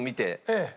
ええ。